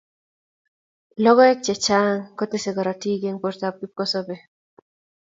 Logoek chechang kotesei korotik eng bortab kipkosobei